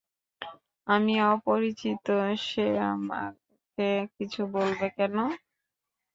আমি অপরিচিত, সে আমাকে কিছু বলবে কেন?